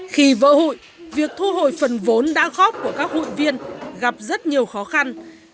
khi vỡ hụi việc thu hồi phần vốn đã góp của các hụi viên gặp rất nhiều khó khăn